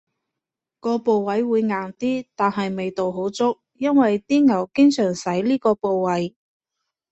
個部位會硬啲，但係味道好足，因爲啲牛經常使呢個部位